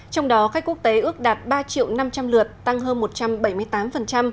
trong đó khách quốc tế ước đạt ba năm trăm linh lượt tăng hơn một trăm bảy mươi tám